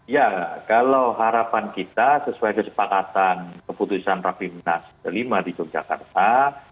ya kalau harapan kita sesuai kesepakatan keputusan raffi minas v di yogyakarta